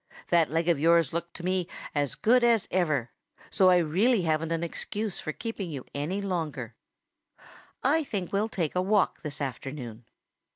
That leg of yours looks to me to be as good as ever, so I really haven't an excuse for keeping you any longer. I think we'll take a walk this afternoon."